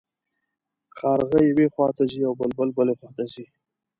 کارغه یوې خوا ته ځي او بلبل بلې خوا ته ځي.